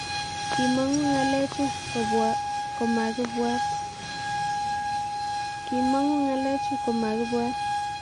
kimong'u ng'alechu komakibwaat